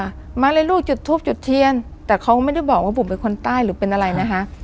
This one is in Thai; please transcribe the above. มาเลยลูกจุดทูปจุดเทียนแต่เขาไม่ได้บอกว่าผมเป็นคนใต้หรือเป็นอะไรนะคะ